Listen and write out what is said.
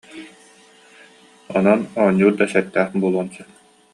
Онон оонньуур да сэттээх буолуон сөп